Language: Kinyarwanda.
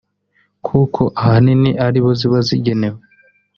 kuko ahanini aribo ziba zigenewe